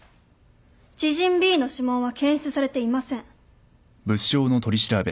知人Ｂの指紋は検出されていません。